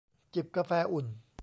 จิบกาแฟอุ่น